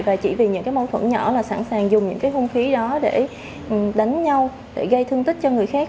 và chỉ vì những cái mâu thuẫn nhỏ là sẵn sàng dùng những cái hung khí đó để đánh nhau để gây thương tích cho người khác